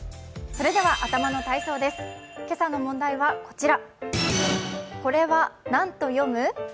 今朝の問題はこちら。